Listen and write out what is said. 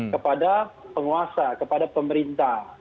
kepada penguasa kepada pemerintah